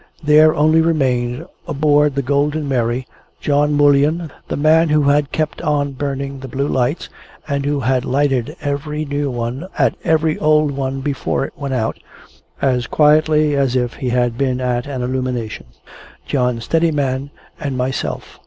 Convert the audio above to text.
There only remained aboard the Golden Mary, John Mullion the man who had kept on burning the blue lights (and who had lighted every new one at every old one before it went out, as quietly as if he had been at an illumination); John Steadiman; and myself.